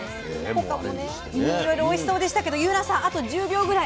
他もねいろいろおいしそうでしたけど祐奈さんあと１０秒ぐらい。